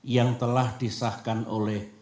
yang telah disahkan oleh